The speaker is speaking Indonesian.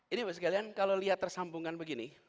ini kalau kalian lihat tersambungan begini